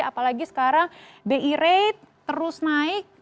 apalagi sekarang bi rate terus naik